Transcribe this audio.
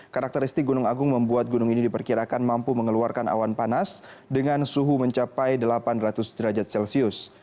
karakteristik gunung agung membuat gunung ini diperkirakan mampu mengeluarkan awan panas dengan suhu mencapai delapan ratus derajat celcius